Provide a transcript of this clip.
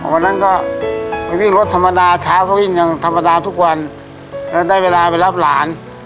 วันนั้นก็ไปวิ่งรถธรรมดาเช้าก็วิ่งอย่างธรรมดาทุกวันแล้วได้เวลาไปรับหลาน